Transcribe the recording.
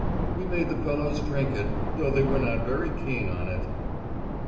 We made the fellows drink it, though they were not very keen on it!